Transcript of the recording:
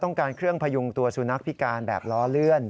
ต้องการเครื่องพยุงตัวสุนัขพิการแบบล้อเลื่อน